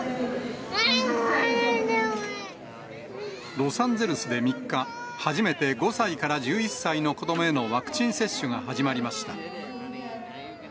ロサンゼルスで３日、初めて５歳から１１歳の子どもへのワクチン接種が始まりました。